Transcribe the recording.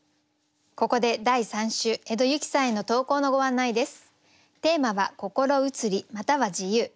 ここで第３週江戸雪さんへの投稿のご案内です。